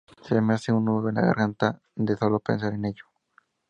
Se me hace un nudo en la garganta de solo pensar en ello".